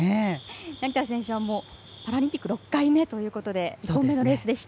成田選手はパラリンピック６回目ということで１本目のレースでした。